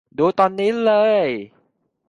ดูตอนนี้เลย